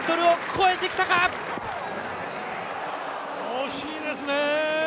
惜しいですね。